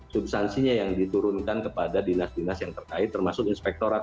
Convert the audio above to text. substansinya yang diturunkan kepada dinas dinas yang terkait termasuk inspektorat